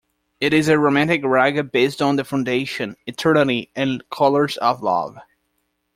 It is a romantic raga based on the foundation, eternity and colors of love.